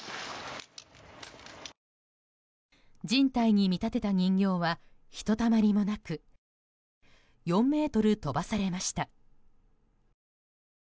人体に見立てた人形はひとたまりもなく４ｍ飛ばされました。